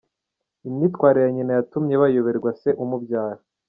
Imyitwarire ya nyina yatumye bayoberwa se umubyara